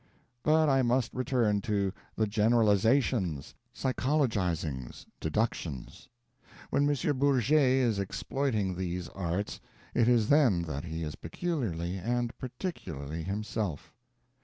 But I must return to the Generalizations, Psychologizings, Deductions. When M. Bourget is exploiting these arts, it is then that he is peculiarly and particularly himself.